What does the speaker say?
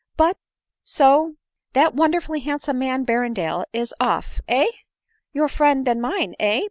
But — so— that wonderfully handsome man, Berrendale, is off— heh? Your friend and mine, heh